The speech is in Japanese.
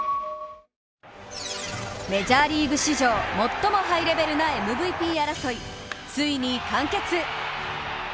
メジャーリーグ史上最もハイレベルなＭＶＰ争い、ついに完結。